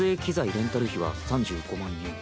レンタル費は３５万円。